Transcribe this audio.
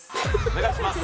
お願いします。